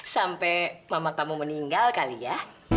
sampai mama kamu meninggal kali ya